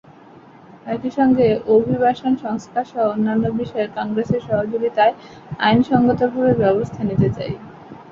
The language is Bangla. একই সঙ্গে অভিবাসন সংস্কারসহ অন্যান্য বিষয়ে কংগ্রেসের সহযোগিতায় আইনসংগতভাবে ব্যবস্থা নিতে চাই।